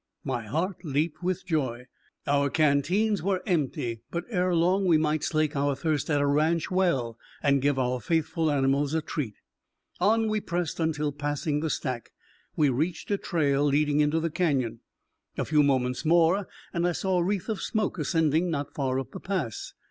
My heart leaped with joy. Our canteens were empty, but ere long we might slake our thirst at a ranch well and give our faithful animals a treat. On we pressed until, passing the stack, we reached a trail leading into the canyon. A few moments more, and I saw a wreath of smoke ascending not far up the pass.